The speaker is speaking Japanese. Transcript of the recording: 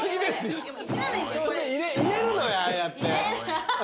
入れるのよああやって。